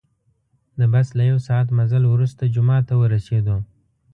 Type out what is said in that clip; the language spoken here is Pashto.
د بس له یو ساعت مزل وروسته جومات ته ورسیدو.